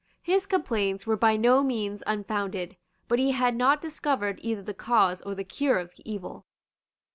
His complaints were by no means unfounded; but he had not discovered either the cause or the cure of the evil.